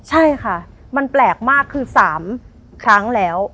ใช่ค่ะมันแปลกมากคือ๓ครั้งแล้ว